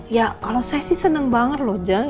ya kalau saya sih seneng banget loh